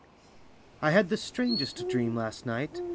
I had the strangest dream last night.